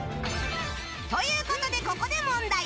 ということで、ここで問題。